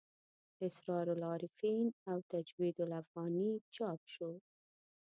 اسرار العارفین او تجوید الافغاني چاپ شو.